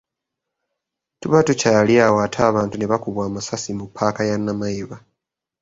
Tuba tukyali awo ate abantu ne bakubwa amasasi mu ppaaka ya Namayiba